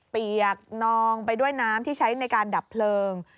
เปียกนองไปด้วยน้ำที่ใช้ในการดับเพลิง